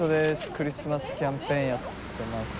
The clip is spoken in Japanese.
クリスマスキャンペーンやってます。